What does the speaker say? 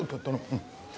うん？